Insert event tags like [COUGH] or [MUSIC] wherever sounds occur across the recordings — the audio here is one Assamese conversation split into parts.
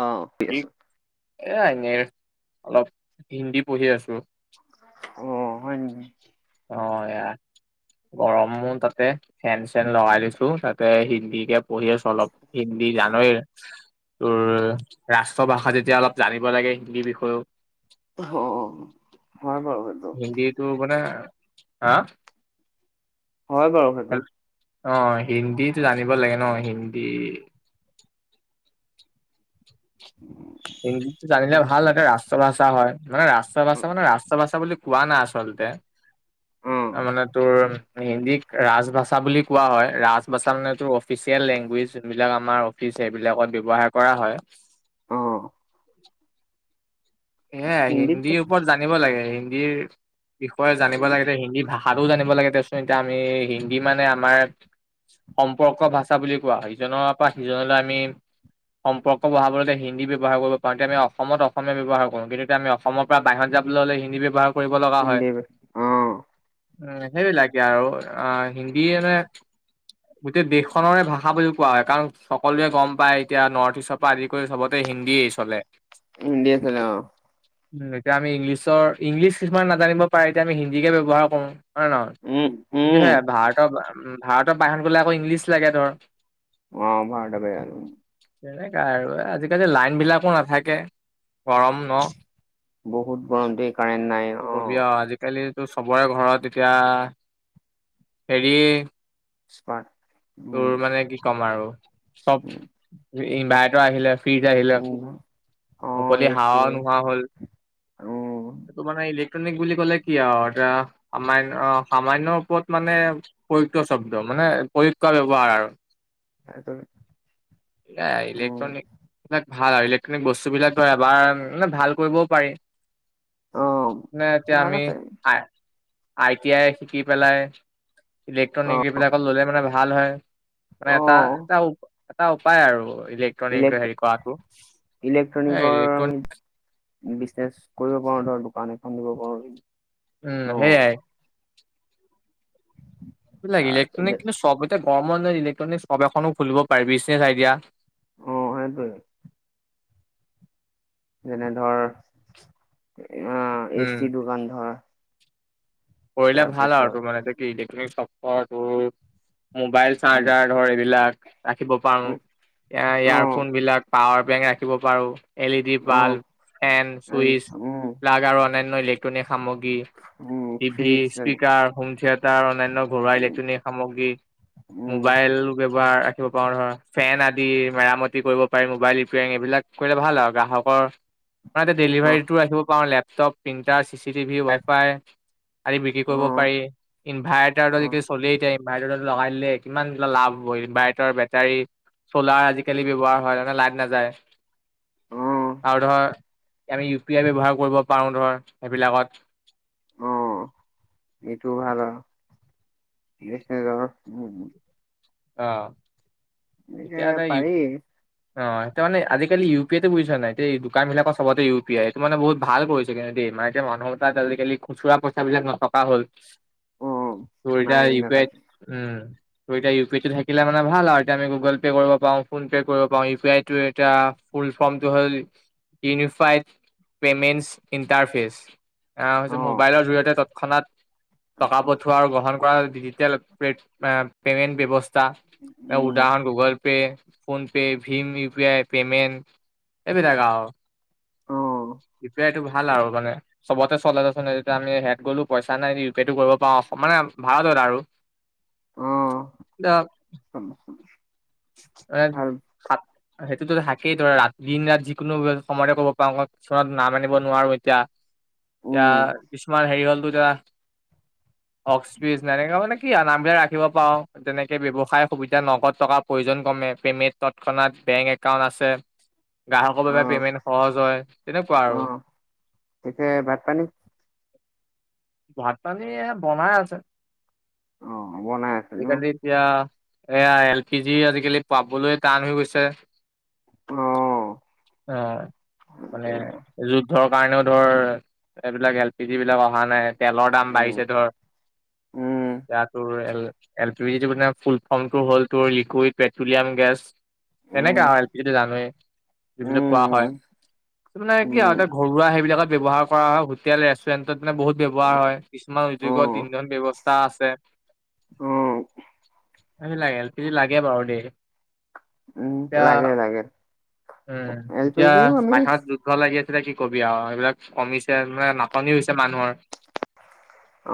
অ', ঠিক কি আছে। এ এনে অলপ হিন্দী পঢ়ি আছো অ', হয় নেকি? অ এইয়া গৰমো তাতে ফেন চেন লগাই লৈছো তাতে হিন্দী কে পঢ়ি আছো অলপ হিন্দী জানই তোৰ ৰাষ্ট্ৰ ভাষা যেতিয়া অলপ জানিব লাগে হিন্দীৰ বিষয়েও অ', হয় বাৰু সেইটো, হিন্দীটো মানে হা হয় বাৰু সেইটো অ হিন্দীটো জানিব লাগে ন হিন্দী হিন্দীটো জানিলে ভাল এটা ৰাষ্ট্ৰ ভাষা হয় মানে ৰাষ্ট্ৰ ভাষা মানে ৰাষ্ট্ৰ ভাষা বুলি কোৱা নাই আচলতে অ', তাৰ মানে তোৰ হিন্দীক ৰাজভাষা বুলি কোৱা হয় ৰাজ ভাষা মানে তোৰ অফিচিয়েল লেংগুৱেজ যোনবিলাক আমাৰ অফি সেইবিলাকত ব্যৱহাৰ কৰা হয় অ', এ হিন্দীত হিন্দীৰ ওপৰত জানিব লাগে হিন্দীৰ বিষয়ে জানিব লাগে যে হিন্দী ভাষা ভালো জানিব লাগে দেচোন এতিয়া আমি হিন্দী মানে আমাৰ সম্পৰ্ক ভাষা বুলি কোৱা ইজনৰ পৰা সিজনলৈ আমি সম্পৰ্ক বঢ়াবলৈ হিন্দী ব্যৱহাৰ কৰিব পাৰোঁ তেনে আমি অসমত অসমীয়া ব্যৱহাৰ কৰোঁ। সংগীত আমি অসমৰ পৰা বাহিৰত যাবলৈ হ'লে হিন্দী ব্যৱহাৰ কৰিব লগা হয়। হিন্দী অ', উ সেইবিলাকে আৰু অ হিন্দী মানে গোটেই দেশখনেৰে ভাষা বুলি কোৱা হয় কাৰণ সকলোৱে গম পায় এতিয়া নৰ্থ ইষ্টৰ পৰা আদি কৰি চবতে হিন্দী চলে হিন্দীয়ে চলে অ এতিয়া আমি ইংলিছৰ ইংলিছ কিছুমান নাজানিব পাৰে এতিয়া আমি হিন্দীকে ব্যৱহাৰ কৰো হয় নে নহয় উম, কিন্তু উম, সে ভাৰতৰ ভাৰতৰ বাহিৰত গলে আকৌ ইংলিছ লাগে ধৰ অ ভাৰতৰ বাহিৰত তেনেকা আৰু আজিকালি লাইন বিলাকো নাথাকে গৰম ন বহুত গৰম দেই কাৰেণ্ট নাই কি কবি অ', আৰু আজিকালি চবৰে ঘৰত এতিয়া হেৰি স্মাৰ্ট তোৰ উম, মানে কি ক'ম আৰু চব ইনভাৰটৰ আহিলে ফ্ৰিজ আহিলে উম অ', মুকলি এ চি হাৱা নোহোৱা হ'ল উম, এইটো মানে ইলেক ট্ৰনিক বুলি ক'লে কি আও এতিয়া সামান্য সামান্য ৰূপত মানে পয়ুক্ত চব্দ মানে প্ৰয়োগ কৰা ব্যৱহাৰ আৰু তাৰপিছত নাই উম, ইলেক্ট্ৰনিক ভাল আৰু ইলেক্ট্ৰনিক বস্তু বিলাকটো এবাৰ মানে ভাল কৰিবও পাৰি অ', নাই এতিয়া ভাল আমি আছে হাই। আই টি আই শিকি পেলাই ইলেক্ট্ৰনিক অ', এইবিলাকত ললে মানে ভাল হয়। মানে এটা অ', এটা এটা উপায় আৰু ইলেক্ট্ৰনিক হেৰি কৰাটো। এ টনিকৰ আমি ইলেক্ট্ৰনিক বিজনেচ কৰিব পাৰো ধৰ দোকান এখন দিব পাৰো। উম ন সেয়াই। এইবিলাক তাৰ ইলেক্ট্ৰনিক কিন্তু চব ইতা গৰম ইলেক্ট্ৰনিক চব এখনো খুলিব পাৰি বিজনেচ আইদিয়া। অ সেইটোৱে যেনে ধৰ আঁহ এইছ উম টি দোকান ধৰ। কৰিলে ভাল আৰু তাৰপিছত তোৰ মানে এতিয়া কি ইলেক্টনিক চফৰটো মোবাইল উম চাৰ্জাৰ ধৰ এইবিলাক ৰাখিব পাৰো এ উম অ ইয়াৰফোনবিলাক পাৱাৰ বেং ৰাখিব পাৰো এল এ দি অ বাল, ফেন, এই, চুইচ উম যাগ আৰু অন্যান্য ইলেকট্ৰনিক সামগ্ৰী। উম টিভি, ফ্ৰিজ যেনে, স্পীকাৰ, হোম থিয়েটাৰ অন্যান্য ঘৰুৱা উম ইলেক্ট্ৰনিক সামগ্ৰী। উম মোবাইল বেৱ বাৰ ৰাখিব পাৰো ধৰ ফেন আদি মেৰামতি কৰিব পাৰি মবাইল ৰিপয়াৰিং এইবিলাক কৰিলে ভাল আৰু গ্ৰাহক অহ, অ ডেলিভাৰীটো ৰাখিব পাৰো laptop printer C C TV wifi আদি বিক্ৰী অ কৰিব পাৰি ইনভাইৰ্টাৰ অ যদিকেই চলেই এতিয়া ইনভাৰ্টাৰৰ লগাই দিলে কিমান লাভ হব ইমভাইটৰ বেটাৰী চলাৰ আজিকালি ব্যৱহাৰ হয় লাইট নাযায়। অ আৰু ধৰ আমি ইউ পি আই ব্যৱহাৰ কৰিব পাৰোঁ ধৰ সেইবিলাকত। অ ইটো ভাল আও। অঁ। গতিকে পাৰি। অ সেটো মানে আজিকালি ইউ পি আইটো বুইছ নাই, টেই দোকানবিলাকত চবতে ইউ পি আই এইটো মানে বহুত ভাল কৰিছে কিন্তু দেই। ইমান এতিয়া মানুহৰ তাত আজিকালি খুচুৰা পইচাবিলাক নথকা হ'ল। অ তোৰ এতিয়া নাই ইউ পি আইড, নাথাকে উম তোৰ এতিয়া ইউ ইটো থাকিলে মানে ভাল আও এতিয়া আমি গুগল পে' কৰিব পাও, ফোন পে' কৰিব পাও ইউ পি আইটো এতিয়া ফুল ফৰ্মটো [UNINTELLIGIBLE] ইউনিফাইট। পেমেণ্টছ ইণ্টাৰফেচ আ হৈছে অ মোবাইলৰ জৰিয়তে তৎক্ষণাত টকা পঠোৱা আৰু গ্ৰহণ কৰা ডিজিটেল প্লেট আ প্লেন ব্যৱস্থ চা উম উদাহৰণ গগলপে, ফোন পে, ভীম ইউ পি আই পেমেণ্ট এইবিলাক আও। অ‍ঁ অঁ। ইউ পি আই টো ভাল আও মানে চবতে চলে মানে আমি হেট গলো পইচা নাই ই পি আই টো কৰিব পাও অকমান। ভাদদাৰু। অঁ [UNINTELLIGIBLE] এট হাট। সেইটোতো থাকেই তই ৰাতি দিন ৰাত যিকোনো সময়তে ক'ব পাৰো কিছুমান নাম আনিব নোৱাৰো এতিয়া। এতিয়া উম কিছুমান হেৰি হলতো এতিয়া [INAUDIBLE] অক্সিজ এনেকা মানে কি আও নামবিলাক ৰাখিব পাও তেনেকে ব্যৱসায় সুবিধা নগদ টকা প্ৰয়োজন কমে পেমেট তৎক্ষণাত বেংক একাউন্ট আছে গ্ৰাহকৰ বাবে অহ পেমেণ্ট সহজ হয় তেনেকুৱা আৰু। এ ভাত পানী? ভাত পানী এ বনাই আছে। অ। বনাই আছে ন আজিকালি এতিয়া এয়া এল পি জি আজিকালি পাবলৈ টান হৈ গৈছে। অঁ। অঁ মানে যুদ্ধৰ কাৰণেও ধৰ, এইবিলাক এল পি জি বিলাক অহা নাই তেলৰ দাম বাঢ়ি উম পিছে ধৰ উম, এয়া তোৰ এল পি জিটো মানে ফুল ফৰ্মটো হ'ল তোৰ লিকুইড পেট্ৰলিয়াম গেছ। এনেকাে আহ এল পি জিটো জানোৱেই। উম যিবিলাক কোৱা হয়, উম সেইটো মানে কি আও উম এ ঘৰুৱা সেইবিলাকত ব্যৱহাৰ কৰা হয় হোটেল ৰেষ্টুৰেন্টত। মানে বহুত ব্যৱহাৰ হয় কিছুমান অ উদ্যোগত ইন্ধন ব্যৱস্থা আছে। অ কি লাগে এল পি জি লাগে বাৰু দেই উম লাগে লাগে। উ। এল পি এতিয়া জিও আমি পাইখানাত যুদ্ধলে লাগি আছিলে কি কবি আৰু এইবিলাক কমিছে মানে নাটনি হৈছে মানুহৰ।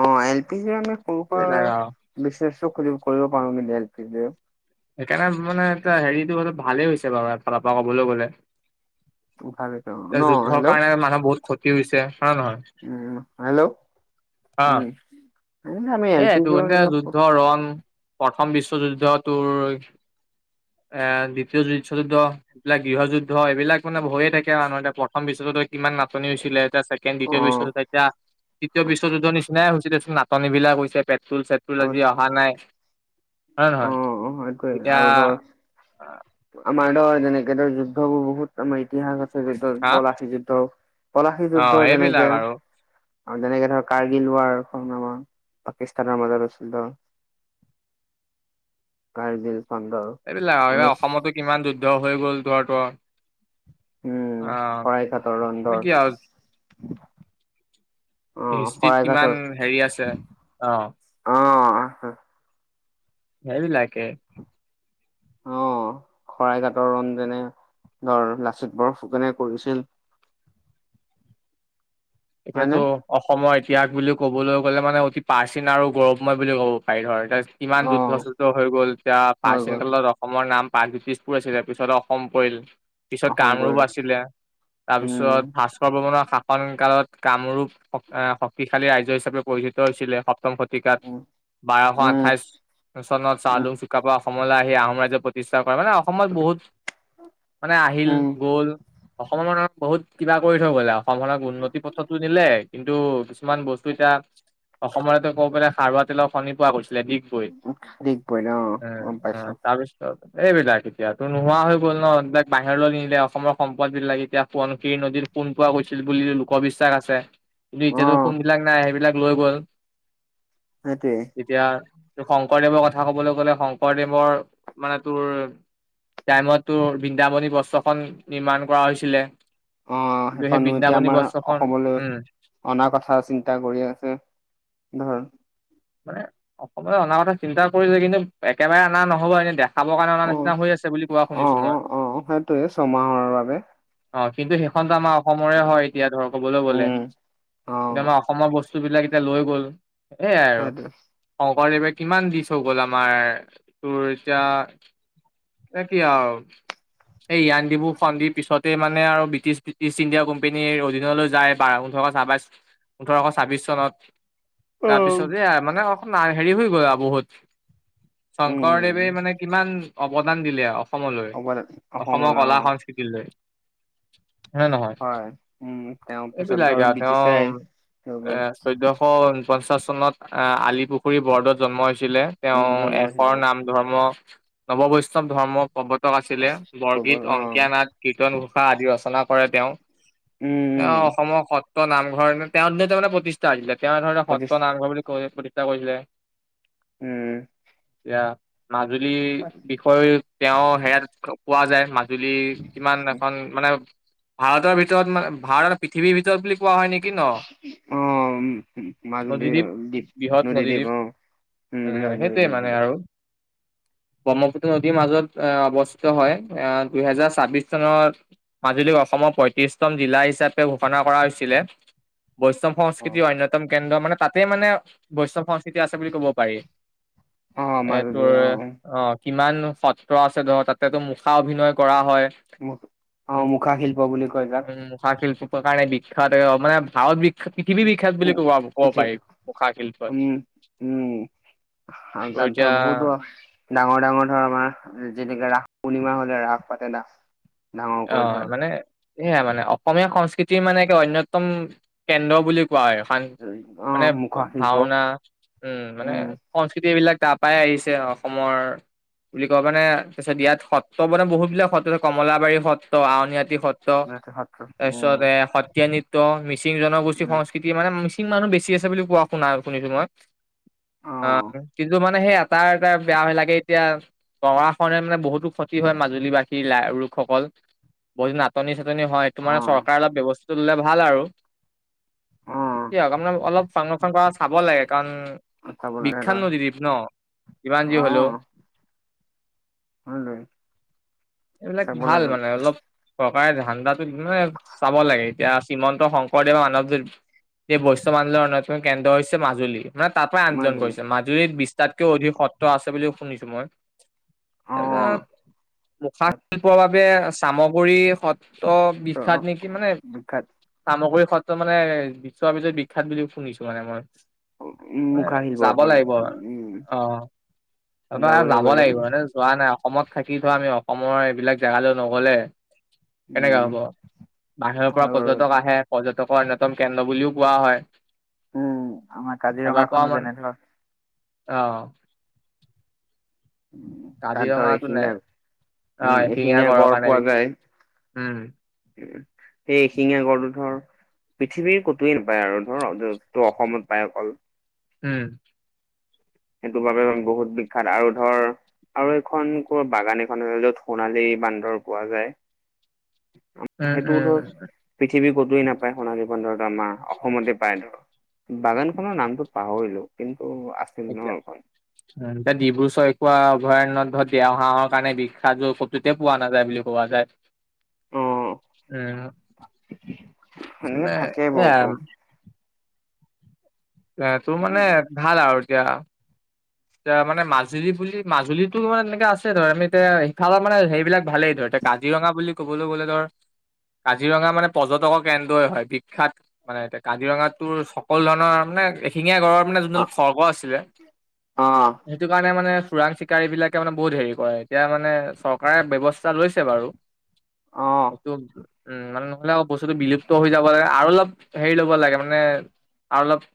অ এল পি জি মানে সৰু সুৰা সেইবিলাক আৰু বিজনেছ চব খুলি কৰিব পাৰো মানে এল পি যে - সেইকাৰণে মানে এ হেৰিটো অলপ ভালেই হৈছে বাৰু এফালৰ পৰা ক'বলৈ গলে। ভাল হৈছে অ এ ন যুদ্ধৰ হেল্ল' কাৰণে মানুহ বহুত ক্ষতি হৈছে। হয় নে নহয় উম হেল্ল'। অ উম আমি এ এইটো এলপিজি যুদ্ধ ৰণ প্ৰথম বিশ্বযুদ্ধ তোৰ। এ দ্বিতীয় বিশ্বযুদ্ধ এইবিলাক গৃহযুদ্ধ এইবিলাক মানে হয়ে থাকে। মানহ প্ৰথম বিশ্ব যুদ্ধই ইমান নাটনি হৈছিলে এতিয়া ছেকেণ্ড অ দ্বিতীয় বিশ্ব এতিয়া তৃতীয় বিশ্ব যোৰ নিচিনাই হৈছিলে নাটনি বিলাক হৈছে পেট্ৰল অ চেট্ৰল আজি অহা নাই। হয় অ নহয় সেইটোৱে এতিয়া ম‌ই‌ ত' তেনেকে ধৰ যুদ্ধবোৰ বহুত আমাৰ ইতিহাস আছে যুদ্ধ হা পলাচী যুদ্ধ। পলাশী অ যুদ্ধ এইবিলাক যেনেকে- আৰু আৰু তেনেকে ধৰ কাৰ্গিল ৱাৰ খন নামৰ পাকিস্তানৰ মাজত আছিল। কাৰ্গিল খন ধৰ এইবিলাক আৰু এই ঊনৈশ অসমতো কিমান যুদ্ধ হৈ গ'ল ধৰা উম ত অ শৰাইঘাটৰ ৰন্ধৰ কৈ দিয়া অ হিষ্ট্ৰীত শৰাই কিমান ঘাটৰ হেৰি আছে অ অ সেইবিলাকে। অ', শৰাইঘাটৰ ৰণ যেনে ধৰ লাচিত বৰফুকনে কৰিছিল। এতিয়াতো হয়নে অসমৰ ত্যাগ বুলি ক'বলৈ গ'লে মানে অতি প্ৰাচীন আৰু গৌৰৱময় বুলি ক'ব পাৰি হয় তাৰ কিমান অ যুদ্ধ চুদ্ধ হৈ গ'ল এতিয়া হৈ প্ৰাচীন গ'ল কালত অসমৰ নাম প্ৰাগজোতিজপুৰ আছিলে পিছত অসম পৰিল। পিছত অসম কামৰূপ কৰিলে আছিলে তাৰপিছত উম ভাস্কৰ বৰ্মন শাসন কালত- কামৰূপ শক্তিশালী ৰাজ্য হিচাপে পৰিচিত হৈছিলে সপ্তম শ। শতিকাত উম বাৰশ আঠাইশ উম চনত উম চাওলুং চুকাফা অসমলৈ আহি আহোম ৰাজইজৰ প্ৰতিষ্ঠা- মানে অসমত বহুত মানে আহিল গ'ল অসমৰ মান বহুত।। কিবা কৰি থৈ গ'লে অসমখনক উন্নতি পথত। কিন্তু কিছুমান বস্তু এতিয়া অসমৰেতে ক'ব গলে খাৰুৱা তেলৰ খনি পোৱা গৈছে। ডিগবৈত উম দিগবৈ অ এহ গম পাইছো এহ তাৰ পিছত এইবিলাক এতিয়া তো নোহোৱা হৈ গ'ল ন এইবিলাক বাহিৰলৈ নিলে অসমৰ সম্পদ বিলাক এতিয়া সোৱনশিৰৰি - সোন পোৱা গৈছিল বুলি লোকবিশ্বাস আছিল। কিন্তু এতিয়াতো অ', সোন বিলাক নাই সেইবিলাক লৈ গ'ল। সেইটোৱে। এতিয়া,। শংকৰদেৱৰ কথা কবলৈ গ'লে শংকৰদেৱৰ মানে তোৰ টাইমত তোৰ বৃন্দাবনী বস্ত্ৰখন নিৰ্মাণ কৰা হৈছিলে। অ, কিন্তু সেই সেইখনো এতিয়া বৃন্দাবনী আমাৰ বস্ত্ৰখন অসমলৈ উম অনা কথা চিন্তা কৰি আছে ধৰ। মানে অসমতে অনা কথা চিন্তা কৰিছে কিন্তু, একেবাৰে অনা নহ'ব এনে দে খাবৰ কাৰণে অনা নিচিনা অ', হৈ আছে বুলি কোৱা শুনিছো অ', মই। অ', অ', সেইটোৱে ছমাহৰ বাবে অ, কিন্তু সেইখনতো আমাৰ অসমৰে হয় এতিয়া ধৰ কবলৈ গলে উম, এতিয়াবা অ'। অসমৰ বস্তু বিলাক এতিয়া লৈ গ'ল সেইয়াই আৰু। সেইটোৱে শংকৰদেৱে কিমান দি থই গ'ল আমাৰ, তোৰ এতিয়া এ কি আৰু। এই ইয়াণ্ডাবু সন্ধিৰ পিছতেই মানে আৰু ব্ৰিটিছ ইছ ইষ্ট ইণ্ডিয়াম্পানীৰ অধিনলৈ যায় [UNINTELLIGIBLE] [UNINTELLIGIBLE] ওঠৰশ ছাব্বিশ চনত তাৰপিছত অ', মানে অকণ হেৰি হৈ গৈ আৰু বহুত, শংকৰদেৱে উম, মানে কিমান অৱদান দিলে অসমলৈ, অৱদান অসমৰ অসমলৈ অ', কলা-সংস্কৃতিলৈ। হয় নে নহয়, হয়। উম, তেওঁ পিছত এইবিলাকে ধৰ আ তেওঁৰ ব্ৰিটিছাই হৈ এ গ'ল চৈধ্যশ পঞ্চাশ। চনত আহ আলি পুখুৰী বৰদত জন্ম হৈছিলে, তেওঁ জন্মাইছিল এশৰ আৰু। নাম ধৰ্ম নৱবৈষ্ণৱ ধৰ্মৰ [UNINTELLIGIBLE] [UNINTELLIGIBLE] আছিলে বৰগীত অংকীয়া অ', নাট, কীৰ্তন ঘোষা, আদি ৰচনা কৰে তেওঁ। উম, অ', উম, অসমৰ সত সত্ৰ নামঘৰ তেওঁত নে তেওঁৰ মানে প্ৰতিষ্ঠা আহিছে তেওঁ ধৰণে প্ৰতিচ সত্ৰ নামঘৰ বুলি কৈ প্ৰতিষ্ঠা কৰিছিলে। উম, অ', মাজুলীৰ, বিষয়ে তেওঁ সেয়াত পোৱা যায় মাজুলী কিমান এখন মানে ভাৰতৰ ভিতৰত মানে ভাৰতৰ পৃথিৱীৰ ভিতৰত বুলি কোৱা হয় নেকি ন অ', মাজুলী নদীদ্বীপ দ্বীপ, নদীদ্বীপ অ, উম সেইটোৱে মানে [UNINTELLIGIBLE] আৰু ব্ৰহ্মপুত্ৰ নদীৰ মাজত এ অৱস্থিত হয় আহ দুহেজাৰ ছাব্বিশ চনত মাজুলী অসমৰ পঁয়ত্ৰিছতম জিলা হিচাপে ঘোষণা কৰা হৈছিলে। বৈষ্ণৱ অ সংস্কৃতিৰ অন্যতম কেন্দ্ৰ মানে তাতেই মানে বৈষ্ণৱ সংস্কৃতি আছে বুলি ক'ব পাৰি। অ এই মাজুলী তোৰ অ এ, অ। কিমান সত্ৰ আছে ধৰ। তাতেটো মুখা অভিনয় কৰা হয়। মোক অ মুখা শিল্প বুলি কয় যাক উম, মুখা শিল্প। কাৰণে বিখ্যাত মানে ভাৰত বিখ্যাত পৃথিৱী বিখ্যাত বুলি কব ক'ব পাৰি। মুখা শিল্পই ত' উম, উম। তাত এতিয়া ধৰ বহুতো ডাঙৰ ডাঙৰ ধৰ আমাৰ যেনেকে ৰাস পূৰ্ণিমা হলে ৰাস পাতে। অ, ডাঙৰকৈ ধৰ মানে সেয়া মানে অসমীয়া সংস্কৃতিৰ মানে একে অন্যতম কেন্দ্ৰ বুলি কোৱা হয় এখন অ মানে মুখা শিল্প ভাওনা, উম, মানে সংস্কৃতিবিলাক তাৰপাই আহিছে অসমৰ বুলি কও মানে তাৰপিছত ইয়াত সত্ৰ মানে বহুত বিলাক সত্ৰ কমলাবাৰী সত তো আউনীআটী সত্ৰ, সত্ৰ উম তাৰপিছত এয়া সত্ৰীয়া নিত্য মি মিচিং জনগোষ্ঠী উম সংস্কৃতি মানে মিচিং মানুহ বেছি আছে বুলি কোৱা শুনা শুনিছো মই। অ', কিন্তু মানে সেই এটা এটা বেয়া হৈ লাগে এতিয়া [UNINTELLIGIBLE] খনে মানে বহুতো ক্ষতি হয় মাজুলী বাসীৰ লাই লোকসকল। বহুত নাটনি চাটনি হয় অ তোমাৰ চৰকাৰে অলপ ব্যৱস্থাটো ললে ভাল আৰু। [UNINTELLIGIBLE] কি হক আপোনাৰ অলপ [UNINTELLIGIBLE] চাব লাগে, কাৰণ অ চাব লাগে বিখ্যাত ধৰ নদীদ্বীপ ন' যিমান যি হলেও। হয়নে? এইবিলাক ভাল মানে অলপ ককাৰে ধান্দাটো মানে চাব লাগে এতিয়া শ্ৰীমন্ত শংকৰদেৱৰ মানৱ য এই বৈষ্ণৱ আন্দোলৰ অন্যতম কেন্দ্ৰ হৈছে মাজুলী। মানে তাৰ পৰাই আন্দোলন মাজুলী কৰিছে। মাজুলীত বিছ তাতকেও অধিক সত্ৰ আছে বুলিও শুনিছো মই। অ তাপিছত মুখা তাত শিল্পৰ বাবে চামগুৰি সত ত বিখ্যাত নেকি মানে বিখ্যাত সামগ্ৰী খুড়াক ত মানে বিশ্বৰ ভিতৰত বিখ্যাত বুলি শুনিছো মানে মই মুখা শিল্পৰ যাব ওপৰত লাগিব উম অ এইবাৰ যাবলৈ যাব পাৰিল লাগিব এনে যোৱা নাই অসমত থাকি ত আমি অসমৰ এইবিলাক জেগালৈ নগলে কেনেকে উম হ'ব বাহিৰৰ পৰা হয় বাৰু পৰ্যটক আহে পৰ্যটক তক অন্যতম কেন্দ্ৰ বুলিও কোৱা হয়। উম আমাৰ কাজিৰঙা খনো যেনে ধৰ অহ তাত ধৰ এশেঙিয়া অ উম এশিঙীয়া এশেঙীয়া গড়ৰ গড় কাৰণে পোৱা বিখ্যাত। যায়। উম এই এশেঙীয়া গড়টো ধৰ। পৃথিৱীৰ কতোৱে নাপায় আৰু ধৰ টোৰ অসমত পায় অকল উম। সেইটো বাবে বহুত বিখ্যাত আৰু ধৰ আৰু এখন কৰ বাগান এখন য'ত সোণালী বান্দৰ পোৱা যায়। উম সেইটো ধৰ পৃথিৱী কতোৱে নাপায় সোণালী বান্দৰটো আমাৰ অসমতে পায় ধৰ বাগান খনৰ নামটো পাহৰিলো কিন্তু আছিল ন এতিয়া এখন উ এতিয়া ডিব্ৰুচৈখোৱা অভয়াৰণ্যত ধৰ দেও হাঁহৰ কাৰণে বিখ্যাত কতুতে পোৱা নাযায় বুলি কোৱা যায়। অ উম চপ সেনেকে থাকে এ বহুতো [UNINTELLIGIBLE] এ তোৰ মানে ভাল আৰু এতিয়া এতিয়া মানে মাজুলী বুলি মাজুলীতো মানে এনেকে আছে ধৰ আমি এতিয়া সিফালে মানে সেইবিলাক ভালেই ধৰ এতিয়া কাজিৰঙা বুলি ক'বলৈ গ'লে ধৰ কাজিৰঙা মানে পৰ্যটকৰ কেন্দ্ৰই হয় বিখ্যাত মানে এতে কাজিৰঙা তোৰ সকলো ধৰণৰ মানে এশিঙীয়া গড়ৰ মানে যোনদাল অ খৰ্গ আছিলে অ সেইটো কাৰণে মানে চোৰাং চিকাৰী বিলাকে মানে বহুত হেৰি কৰে এতিয়া মানে চৰকাৰে ব্যৱস্থা লৈছে বাৰু অ এইটো উম মানে নহ'লে আকৌ বস্তুতটো বিলুপ্ত হৈ যাব লাগে আৰু অলপ হেৰি ল'ব লাগে মানে আৰু অলপ